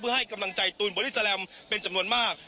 เพื่อให้กำลังใจตูนบอดิสเซแลมเป็นจำนวนมาก